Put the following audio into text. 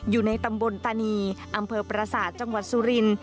อยู่ในตำบลตานีอำเภอประสาทจังหวัดสุรินทร์